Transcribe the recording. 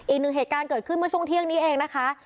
อีกหนึ่งเหตุการณ์เกิดขึ้นเมื่อช่วงเที่ยงนี้เองนะคะ